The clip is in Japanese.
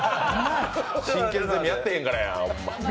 進研ゼミやってへんからや。